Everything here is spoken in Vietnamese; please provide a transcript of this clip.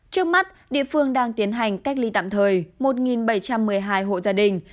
trước mắt địa phương đang tiến hành cách ly tạm thời một bảy trăm một mươi hai hộ gia đình